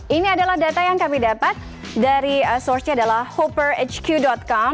ini adalah data yang kami dapat dari source nya adalah hoperhq com